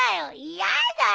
嫌だよ！